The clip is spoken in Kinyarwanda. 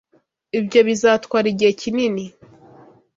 Ibyo bizatwara igihe kinini.